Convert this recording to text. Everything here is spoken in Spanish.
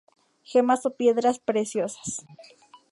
Gemas o piedras preciosas.